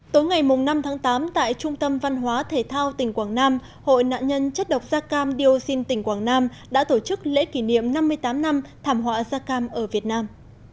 tối ngày năm tháng tám tại trung tâm văn hóa thể thao tỉnh quảng nam hội nạn nhân chất độc da cam dioxin tỉnh quảng nam đã tổ chức lễ kỷ niệm năm mươi tám năm thảm họa da cam ở việt nam